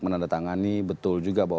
menandatangani betul juga bahwa